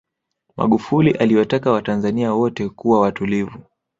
magufuli aliwataka watanzania wote kuwa watulivu